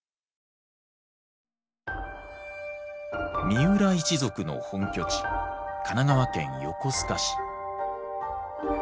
三浦一族の本拠地神奈川県横須賀市。